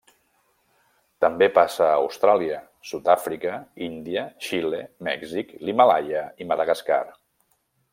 També passa a Austràlia, Sud Àfrica, Índia, Xile, Mèxic, l'Himàlaia i Madagascar.